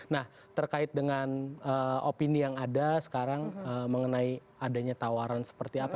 nah terkait dengan opini yang ada sekarang mengenai adanya tawaran seperti apa